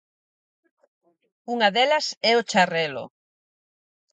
Unha delas é o Charrelo.